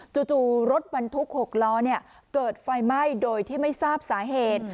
จู่รถบรรทุก๖ล้อเกิดไฟไหม้โดยที่ไม่ทราบสาเหตุ